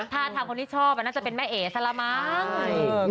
ถ้าทางคนที่ชอบน่าจะเป็นแม่เอ๋ซะละมั้ง